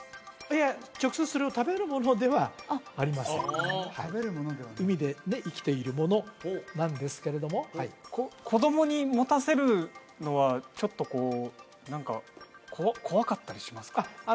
いや直接それは食べるものではありません海で生きているものなんですけれどもはい子供に持たせるのはちょっとこう何か怖かったりしますか？